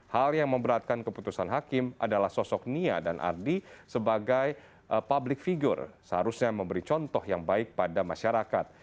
hal yang memberatkan keputusan hakim adalah sosok nia dan ardi sebagai public figure seharusnya memberi contoh yang baik pada masyarakat